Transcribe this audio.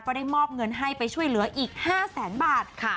ก็ได้มอบเงินให้ไปช่วยเหลืออีก๕๐๐๐๐๐บาทค่ะ